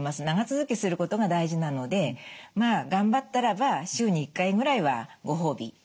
長続きすることが大事なのでまあ頑張ったらば週に１回ぐらいはご褒美